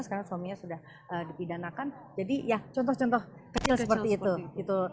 sekarang suaminya sudah dipidanakan jadi ya contoh contoh kecil seperti itu gitu